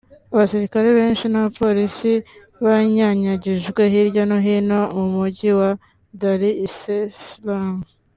abasirikare benshi n’abapolisi banyanyagijwe hirya no hino mu mujyi wa Dar es Salaam